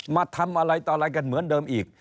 มาทำอะไรต่ออะไรกันเหมือนเดิมอีก